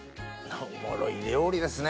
おもろい料理ですね